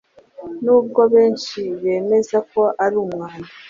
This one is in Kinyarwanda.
N’ubwo benshi bemeza ko ari umwanda